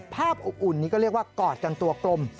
อบอุ่นนี่ก็เรียกว่ากอดกันตัวกลม